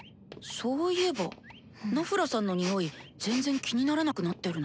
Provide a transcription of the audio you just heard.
そういえばナフラさんのニオイ全然気にならなくなってるな。